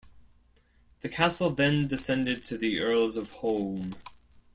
The castle then descended to the Earls of Home.